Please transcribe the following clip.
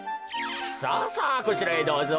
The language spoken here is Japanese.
さあさあこちらへどうぞ。